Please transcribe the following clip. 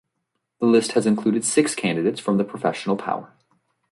The list has included six candidates from the Professional Power.